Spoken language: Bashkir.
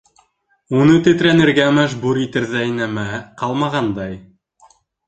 Уны тетрәнергә мәжбүр итерҙәй нәмә ҡалмағандай.